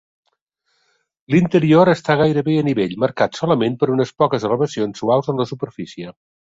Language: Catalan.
L'interior està gairebé a nivell, marcat solament per unes poques elevacions suaus en la superfície.